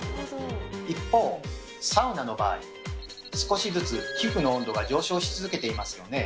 一方サウナの場合少しずつ皮膚の温度が上昇し続けていますよね。